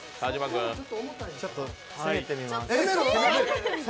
ちょっと攻めてみます。